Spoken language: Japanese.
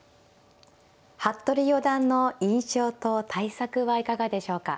服部四段の印象と対策はいかがでしょうか。